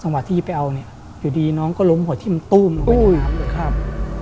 สำหรับที่หิบไปเอายูดีน้องก็ล้มห่อที่มันตู้มลงไปด้วย